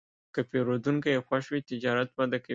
که پیرودونکی خوښ وي، تجارت وده کوي.